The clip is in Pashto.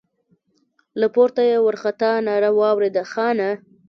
له پورته يې وارخطا ناره واورېده: خانه!